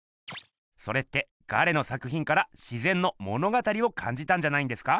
それってガレの作ひんから「自ぜんの物語」をかんじたんじゃないんですか？